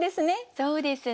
そうですね。